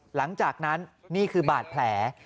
หลังจากนั้นนี่คือบาดแผล